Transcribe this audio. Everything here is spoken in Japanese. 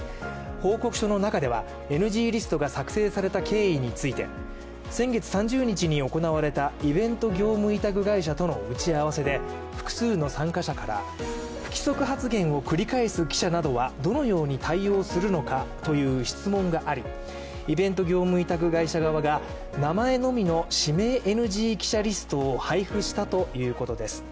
報告書の中ではＮＧリストが作成された経緯について、先月３０日に行われたイベント業務会社との打ち合わせで、複数の参加社から不規則発言を繰り返す記者からはどのように対応するのかという質問があり、イベント業務委託会社側が名前のみの指名ＮＧ記者リストを配布したということです。